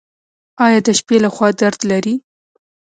ایا د شپې لخوا درد لرئ؟